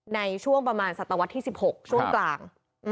ในช่วงประมาณศตวรรษที่๑๖ช่วงกลาง